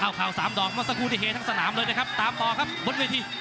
เอ้าเข่า๓ดอกมสกุธิเฮทั้งสนามเลยนะครับตามต่อครับบนเวที